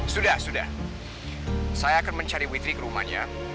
sudah sudah saya akan mencari witri ke rumahnya